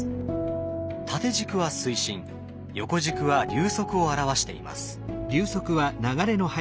縦軸は水深横軸は流速を表しています。